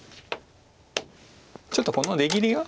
ちょっとこの出切りが。